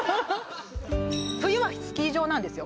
冬はスキー場なんですよ